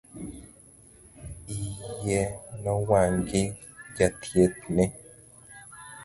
Iye nowang' gi jathiethne